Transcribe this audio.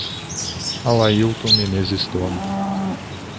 Alailton Menezes Tome